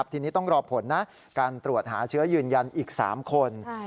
ทีนี้ต้องรอผลนะการตรวจหาเชื้อยืนยันอีก๓คน